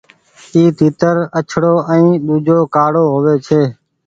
اي تيتر آڇڙو ائين ۮوجھو ڪارڙو هووي ڇي۔